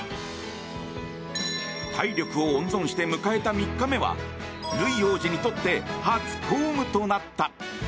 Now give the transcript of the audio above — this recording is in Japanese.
体力を温存して迎えた３日目はルイ王子にとって初公務となった。